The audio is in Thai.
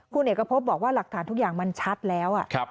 คุณเอกพบบอกว่าหลักฐานทุกอย่างมันชัดแล้ว